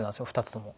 ２つとも。